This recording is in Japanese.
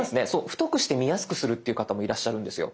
太くして見やすくするっていう方もいらっしゃるんですよ。